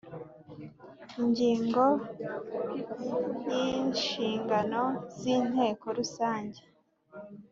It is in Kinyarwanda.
Ingingo y Inshingano z inteko rusange